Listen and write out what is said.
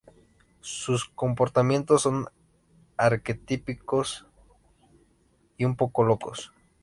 Sus comportamientos son arquetípicos y un poco locos.